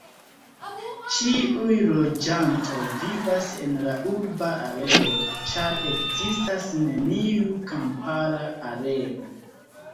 Ĉiuj loĝantoj vivas en la urba areo, ĉar ekzistas neniu kampara areo.